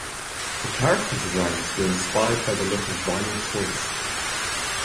The character designs were inspired by the look of vinyl toys.